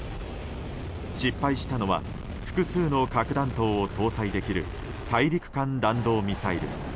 失敗したのは複数の核弾頭を搭載できる大陸間弾道ミサイル。